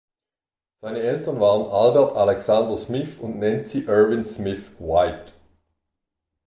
Seine Eltern waren Albert Alexander Smith und Nancy Erwin Smith White.